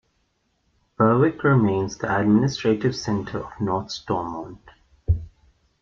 Berwick remains the administrative centre of North Stormont.